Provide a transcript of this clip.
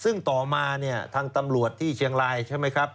ซึ่งต่อมาเนี่ยทางตำรวจที่เชียงรายใช่ไหมครับ